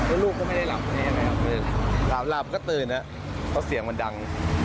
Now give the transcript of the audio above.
แล้วลูกก็ไม่ได้หลับตัวเองนะครับหลับหลับก็ตื่นอ่ะเพราะเสียงมันดัง